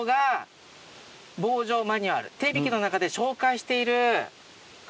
防除マニュアル手引きの中で紹介している。